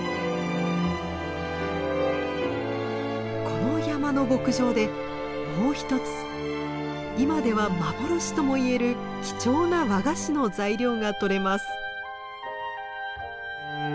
この山の牧場でもう一つ今では幻とも言える貴重な和菓子の材料がとれます。